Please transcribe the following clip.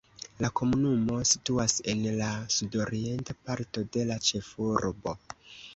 La komunumo situas en la sudorienta parto de la ĉefurbo.